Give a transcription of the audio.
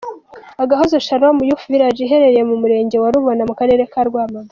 Agahozo Shalom Youth Village iherereye mu murenge wa Rubona mu karere ka Rwamagana.